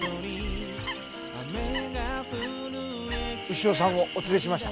牛尾さんをお連れしました。